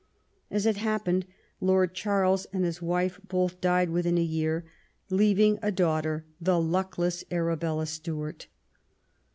As it happened, Lord Charles and his wife both died within a year, leaving a daughter, the luckless Arabella Stuart.